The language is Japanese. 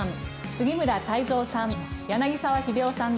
杉村太蔵さん